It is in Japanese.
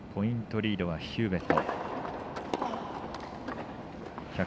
リードはヒューウェット。